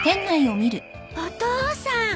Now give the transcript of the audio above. お父さん！